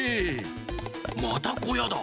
またこやだ。